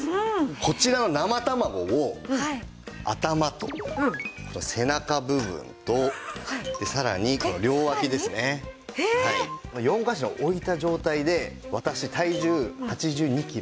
こちらの生卵を頭とこの背中部分とさらにこの両脇ですね４カ所置いた状態で私体重８２キロ